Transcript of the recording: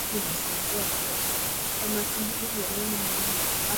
kamati mbili miongoni mwao zimeundwa kisheria